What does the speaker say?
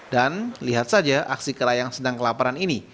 dan lihat saja aksi kera yang sedang kelaparan ini